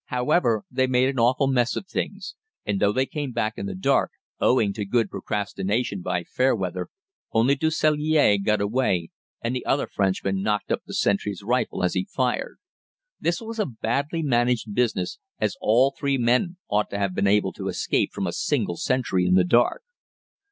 However, they made an awful mess of things, and though they came back in the dark, owing to good procrastination by Fairweather, only Du Sellier got away, and the other Frenchmen knocked up the sentry's rifle as he fired. This was a badly managed business, as all three men ought to have been able to escape from a single sentry in the dark.